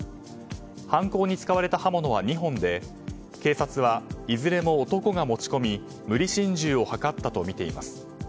犯行に使われた刃物は２本で警察はいずれも男が持ち込み無理心中を図ったとみています。